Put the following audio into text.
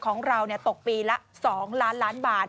ของเราตกปีละ๒ล้านล้านบาท